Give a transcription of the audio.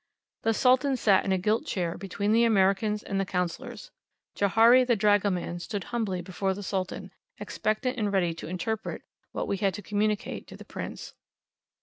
The Sultan sat in a gilt chair between the Americans and the councillors. Johari the dragoman stood humbly before the Sultan, expectant and ready to interpret what we had to communicate to the Prince.